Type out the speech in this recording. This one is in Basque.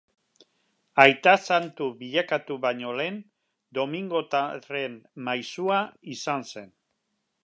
Aita Santu bilakatu baino lehen Domingotarren Maisua izan zen.